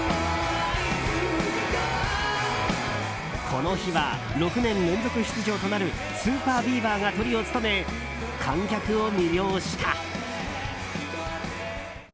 この日は、６年連続出場となるＳＵＰＥＲＢＥＡＶＥＲがトリを務め、観客を魅了した。